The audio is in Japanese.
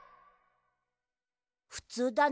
ふつうだな。